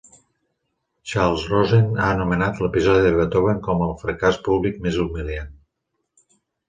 Charles Rosen ha anomenat l'episodi de Beethoven com "el fracàs públic més humiliant".